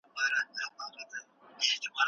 انا په دعا کې وویل چې دا زما د صبر ازموینه ده.